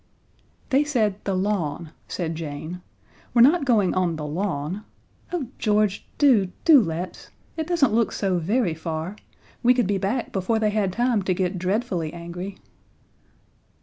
"They said the lawn," said Jane. "We're not going on the lawn. Oh, George, do, do let's. It doesn't look so very far we could be back before they had time to get dreadfully angry."